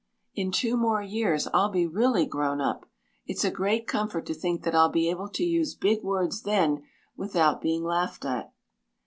In two more years I'll be really grown up. It's a great comfort to think that I'll be able to use big words then without being laughed at."